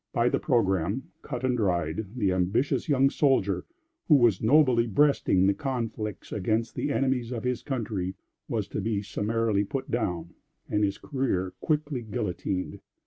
By the programme, cut and dried, the ambitious young soldier, who was nobly breasting the conflicts against the enemies of his country, was to be summarily put down, and his career quickly guillotined.